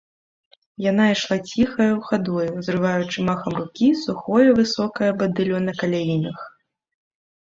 Яна ішла ціхаю хадою, зрываючы махам рукі сухое высокае бадыллё на каляінах.